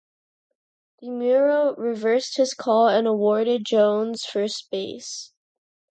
DiMuro reversed his call, and awarded Jones first base.